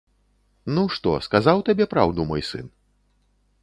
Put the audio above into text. Ну, што, сказаў табе праўду мой сын?